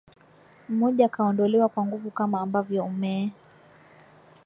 mmoja akaondolewa kwa nguvu kama ambavyo umee